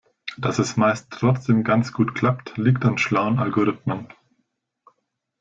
Dass es meist trotzdem ganz gut klappt, liegt an schlauen Algorithmen.